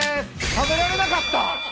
食べられなかった。